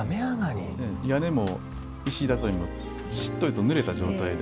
屋根も石畳もしっとりとぬれた状態で。